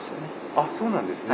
あっそうなんですね。